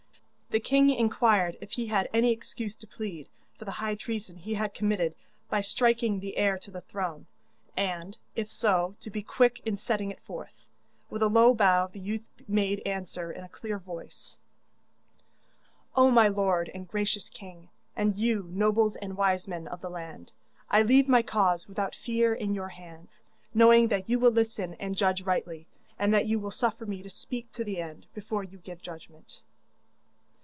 The king inquired if he had any excuse to plead for the high treason he had committed by striking the heir to the throne, and, if so, to be quick in setting it forth. With a low bow the youth made answer in a clear voice: 'O my lord and gracious king, and you, nobles and wise men of the land, I leave my cause without fear in your hands, knowing that you will listen and judge rightly, and that you will suffer me to speak to the end, before you give judgment.